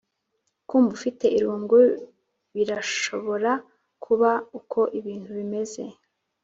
kumva ufite irungu birashobora kuba uko ibintu bimeze,